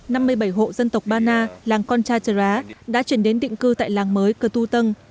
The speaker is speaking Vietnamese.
năm hai nghìn một mươi một năm mươi bảy hộ dân tộc bana làng conchatera đã chuyển đến định cư tại làng mới cơ tu tân